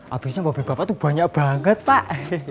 habisnya mobil bapak tuh banyak banget pak